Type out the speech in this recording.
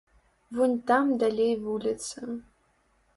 Вунь там далей вуліца.